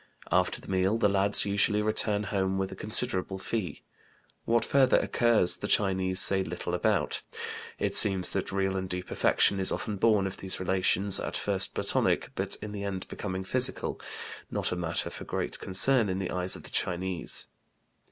After the meal the lads usually return home with a considerable fee. What further occurs the Chinese say little about. It seems that real and deep affection is often born of these relations, at first platonic, but in the end becoming physical, not a matter for great concern in the eyes of the Chinese.